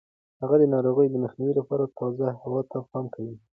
هغه د ناروغیو د مخنیوي لپاره تازه هوا ته پام کوي.